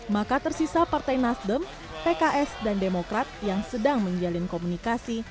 maka tersisa partai nasdem pks dan demokrat yang sedang menjalin komunikasi